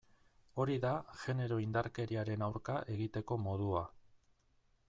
Hori da genero indarkeriaren aurka egiteko modua.